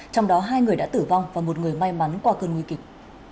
trong đó hai người đã tử vong và một người may mắn qua cơn nguy kịch